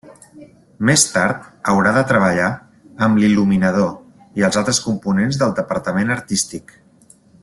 Més tard haurà de treballar amb l'il·luminador i els altres components del departament artístic.